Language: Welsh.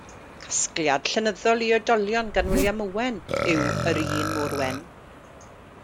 Casgliad llenyddol i oedolion gan William Owen yw Yr Un Mor Wen.